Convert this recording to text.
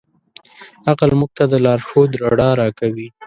عقل موږ ته د لارښود رڼا راکوي.